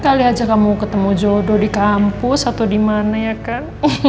kali aja kamu ketemu jodoh di kampus atau di mana ya kan